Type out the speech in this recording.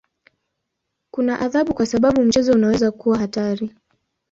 Kuna adhabu kwa sababu mchezo unaweza kuwa hatari.